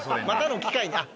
またの機会に？